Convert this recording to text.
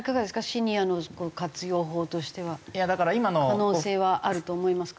シニアの活用法としては可能性はあると思いますか？